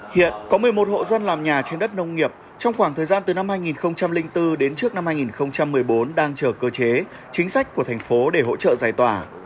hiện có một mươi một hộ dân làm nhà trên đất nông nghiệp trong khoảng thời gian từ năm hai nghìn bốn đến trước năm hai nghìn một mươi bốn đang chờ cơ chế chính sách của thành phố để hỗ trợ giải tỏa